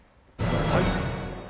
はい。